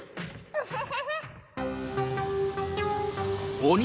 ウフフフ。